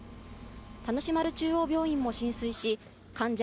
田主丸中央病院も浸水し患者